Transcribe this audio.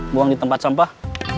buang di tempat sampah